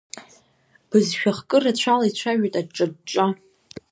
Бызшәахкырацәала ицәажәоит аҿҿа-ҿҿа.